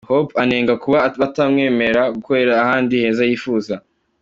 Hope anenga kuba batamwemerera gukorera ahandi heza yifuza.